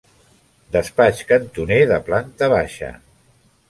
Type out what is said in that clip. Despatx cantoner de planta baixa.